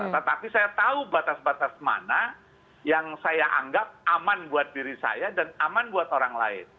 tetapi saya tahu batas batas mana yang saya anggap aman buat diri saya dan aman buat orang lain